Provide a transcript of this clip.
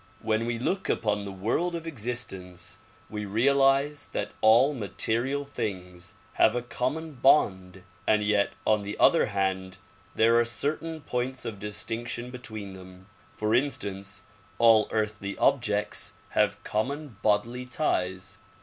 "When we look upon the world of existence we realize that all material things have a common bond; and yet on the other hand there are certain points of distinction between them. For instance, all earthly objects have common bodily ties.